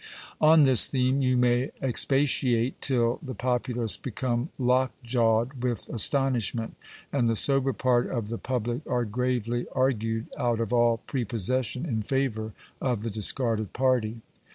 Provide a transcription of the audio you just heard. On this theme you may expatiate till the populace become lock jawed with astonishment, and the sober part of the pub lic are gravely argued out of all prepossession in favour of the discarded party.